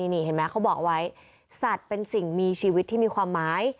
นี่เขาบอกไว้สัตว์เป็นสิ่งมีชีวิตที่มีความหมาย